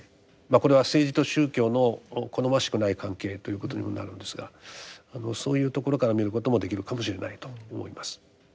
これは政治と宗教の好ましくない関係ということにもなるんですがそういうところから見ることもできるかもしれないと思います。